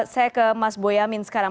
saya ke mas boyamin sekarang